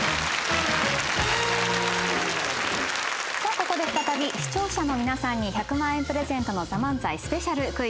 ここで再び視聴者の皆さんに１００万円プレゼントの『ＴＨＥＭＡＮＺＡＩ』スペシャルクイズです。